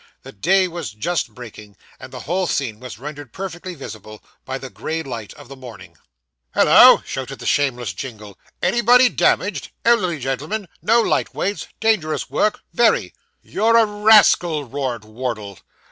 The day was just breaking, and the whole scene was rendered perfectly visible by the grey light of the morning. 'Hollo!' shouted the shameless Jingle, 'anybody damaged? elderly gentlemen no light weights dangerous work very.' 'You're a rascal,' roared Wardle.